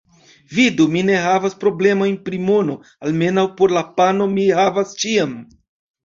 Vidu: mi ne havas problemojn pri mono, almenaŭ por la pano mi havas ĉiam.